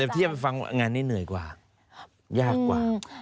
ประเทศเทียบฟังว่างานนี้เหนื่อยกว่ายากกว่า